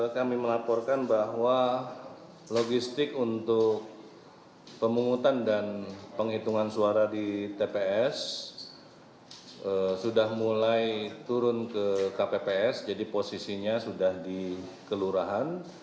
kami melaporkan bahwa logistik untuk pemungutan dan penghitungan suara di tps sudah mulai turun ke kpps jadi posisinya sudah di kelurahan